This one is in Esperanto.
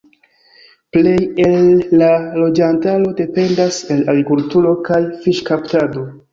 Plej el la loĝantaro dependas el agrikulturo kaj fiŝkaptado.